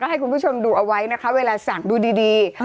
ให้คุณผู้ชมดูเอาไว้นะคะเวลาสั่งดูดี